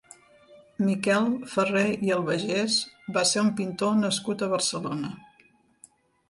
Miquel Farré i Albagés va ser un pintor nascut a Barcelona.